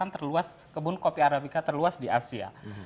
terluas kebun kopi arabica terluas di asia